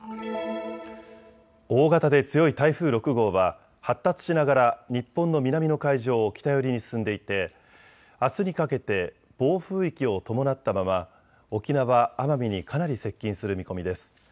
大型で強い台風６号は発達しながら日本の南の海上を北寄りに進んでいてあすにかけて暴風域を伴ったまま沖縄、奄美にかなり接近する見込みです。